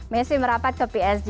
messi merapat ke psg